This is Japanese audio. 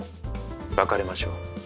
別れましょう。